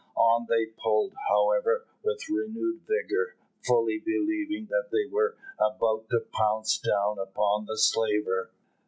On they pulled, however, with renewed vigour, fully believing that they were about to pounce down upon the slaver.